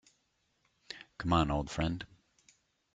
Come on, old friend.